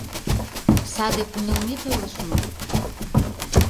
Саде пуньылмет ойлыш мо?